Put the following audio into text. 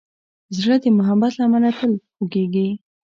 زړه د محبت له امله تل خوږېږي.